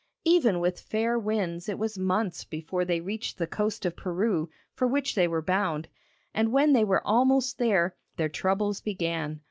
Even with fair winds it was months before they reached the coast of Peru for which they were bound, and when they were almost there, their troubles began.